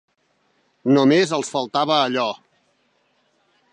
Només els faltava allò.